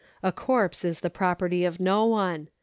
A corpse is the property of no one.